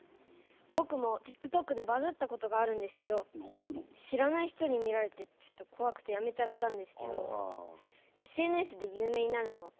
ぼくもティックトックでバズったことがあるんですけど知らない人に見られてちょっとこわくてやめちゃったんですけどＳＮＳで有名になるのはこわくないんですか？